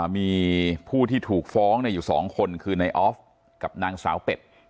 มีผู้ที่ถูกฟ้องอยู่๒คนคือในออฟกับนางสาวเป็ด